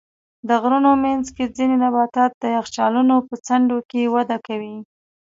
د غرونو منځ کې ځینې نباتات د یخچالونو په څنډو کې وده کوي.